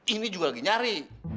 ini juga lagi nyari